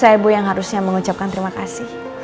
saya ibu yang harusnya mengucapkan terima kasih